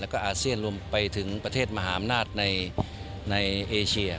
อาเซียนรวมไปถึงประเทศมหามนาฏในเอเชีย